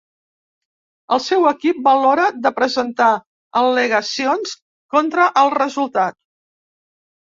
El seu equip valora de presentar al·legacions contra el resultat.